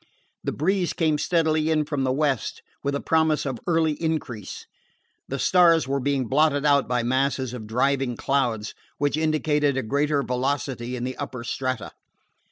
The breeze came steadily in from the west, with a promise of early increase. The stars were being blotted out by masses of driving clouds, which indicated a greater velocity in the upper strata.